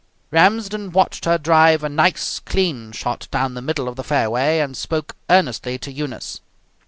Ramsden watched her drive a nice, clean shot down the middle of the fairway, and spoke earnestly to Eunice.